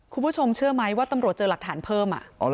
คุณผู้ชมเชื่อไหมว่าตำรวจเจอหลักฐานเพิ่ม